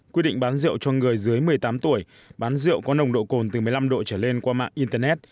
quy định bán rượu cho người dưới một mươi tám tuổi bán rượu có nồng độ cồn từ một mươi năm độ trở lên qua mạng internet